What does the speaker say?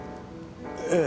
ええ。